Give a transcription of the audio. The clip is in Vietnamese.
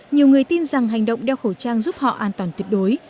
nhiều người tin rằng hành động đeo khẩu trang giúp họ an toàn tuyệt đối